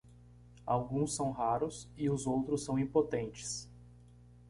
Alguns são raros e os outros são impotentes.